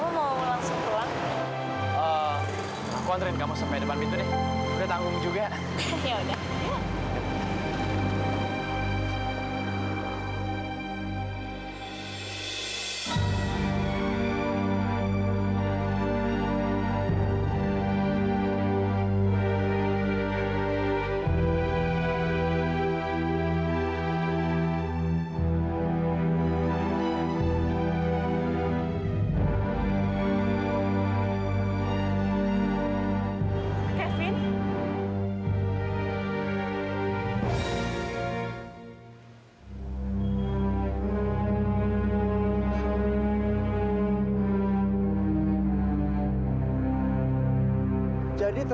lu nggak usah ngarang deh